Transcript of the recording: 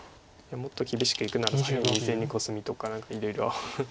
もっと厳しくいくなら左辺２線にコスミとか何かいろいろ考えますけど。